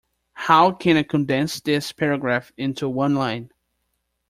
How can I condense this paragraph into one line?